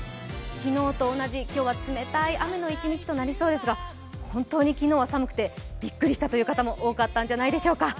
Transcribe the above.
昨日と同じ、今日は冷たい雨の一日となりそうですが、本当に昨日は寒くてびっくりしたという方も多かったんじゃないでしょうか。